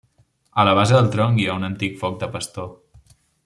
A la base del tronc hi ha un antic foc de pastor.